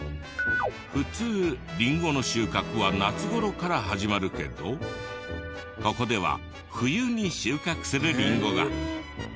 普通リンゴの収穫は夏頃から始まるけどここでは冬に収穫するリンゴが。